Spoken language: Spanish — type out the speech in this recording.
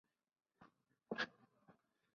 Al noroccidente de la Siberia ártica.